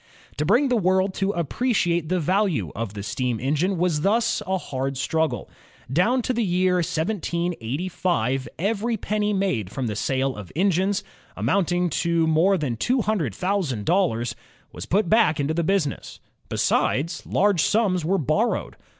To bring the world to appreciate the value of the steam engine was thus a hard struggle. Down to the year 1785 every penny made from the sale of engines, amounting to more than two himdred thousand dollars, was put back into the business. Besides, large sums were borrowed.